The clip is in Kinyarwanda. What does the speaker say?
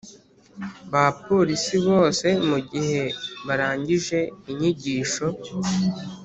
bapolisi bose mu gihe barangije inyigisho